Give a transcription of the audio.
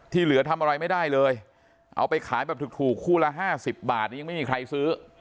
ที่เหลือทำอะไรไม่ได้เลยเอาไปขายแบบถูกถูกคู่ละห้าสิบบาทยังไม่มีใครซื้อ